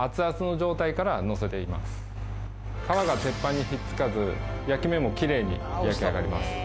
皮が鉄板にひっつかず焼き目もきれいに焼き上がります。